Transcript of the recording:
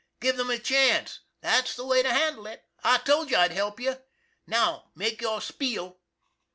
Give them the chance. That's the way to handle it. I told you I'd help you. Now, make your spiel."